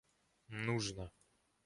нужно